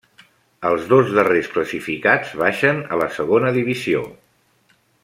Els dos darrers classificats baixen a la segona divisió.